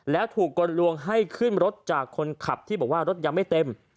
แล้วถูกกลลวงให้ขึ้นรถจากคนขับที่บอกว่ารถยังไม่เต็ม